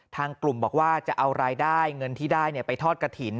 ทางกลุ่มบอกว่าจะเอารายได้เงินที่ได้ไปทอดกระถิ่น